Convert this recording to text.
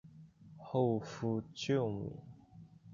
后复旧名。